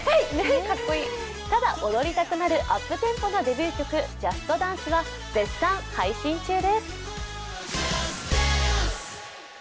ただ踊りたくなるアップテンポなデビュー曲「ＪＵＳＴＤＡＮＣＥ！」は絶賛配信中です。